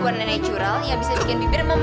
warna natural yang bisa bikin bibir membuat